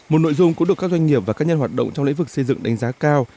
một nội dung cũng được các doanh nghiệp và các nhân hoạt động trong lĩnh vực xây dựng đánh giá cao